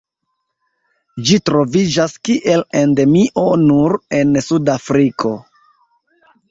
Ĝi troviĝas kiel endemio nur en Sudafriko.